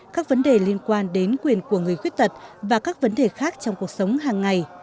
các vấn đề liên quan đến quyền của người khuyết tật và các vấn đề khác trong cuộc sống hàng ngày